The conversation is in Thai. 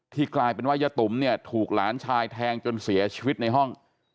กลายเป็นว่ายะตุ๋มเนี่ยถูกหลานชายแทงจนเสียชีวิตในห้อง